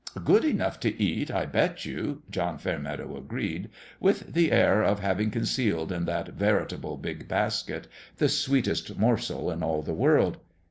" Good enough to eat, I bet you 1 " John Fair meadow agreed, with the air of having concealed in that veritable big basket the sweetest morsel in all the world.